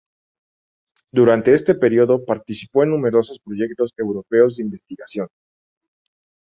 Durante este periodo participó en numerosos proyectos europeos de investigación.